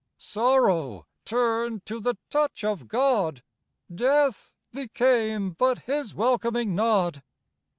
Sorrow turned to the touch of God, Death became but His welcoming nod.